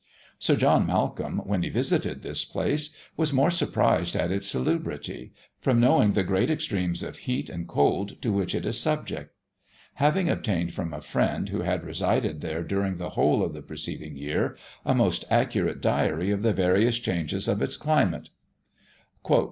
Sir John Malcolm, when he visited this place, was more surprised at its salubrity, from knowing the great extremes of heat and cold to which it is subject; having obtained from a friend who had resided there during the whole of the preceding year, a most accurate diary of the various changes of its climate.